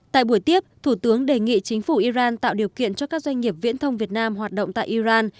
tại buổi tiếp thủ tướng đề nghị chính phủ iran tạo điều kiện cho các doanh nghiệp viễn thông việt nam hoạt động tại iran